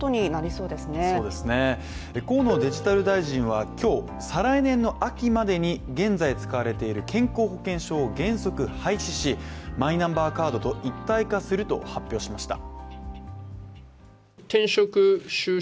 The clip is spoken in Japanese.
そうですね、河野デジタル大臣は今日、再来年の秋までに現在使われている健康保険証を原則廃止し、マイナンバーカードと一体化すると発表しました。